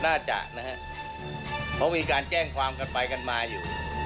น่าจะนะฮะเพราะมีการแจ้งความกันไปกันมาอยู่